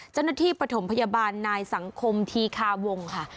ปฐมพยาบาลนายสังคมธีคาวงค่ะ